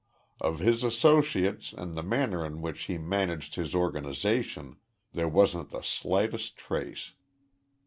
Of his associates and the manner in which he managed his organization there wasn't the slightest trace.